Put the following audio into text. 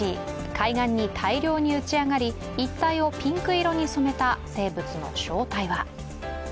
海岸に大量に打ち上がり一帯をピンク色に染めた生物の正体は？